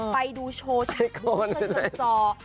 ไปดูโชว์ช่ายตรงกับจอ